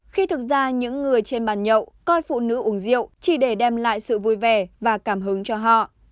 khi thực ra những người trên bàn nhậu coi phụ nữ uống rượu chỉ để đem lại sự vui vẻ và cảm hứng cho họ